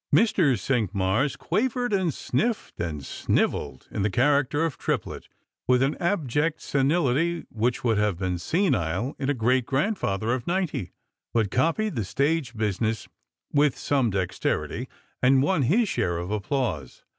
Mr. Cinqmars quavered and sniffed and snivelled in the character of Triplet, with an abject senility which would have been senile in a great grandfather of ninety, but copied the stage business with some dexterity, and won his share of ap plause.